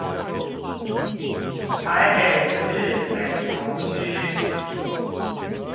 台北市北投區